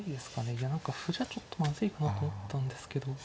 いや何か歩じゃちょっとまずいかなと思ったんですけど。